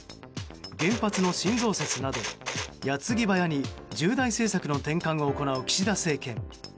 原発の新増設など、矢継ぎ早に重大政策の転換を行う岸田政権。